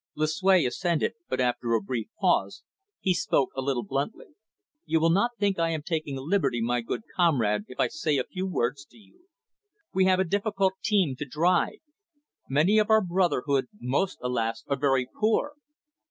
Lucue assented, but after a brief pause he spoke a little bluntly. "You will not think I am taking a liberty, my good comrade, if I say a few words to you. We have a difficult team to drive. Many of our brotherhood, most, alas, are very poor.